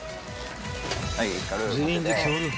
［全員で協力］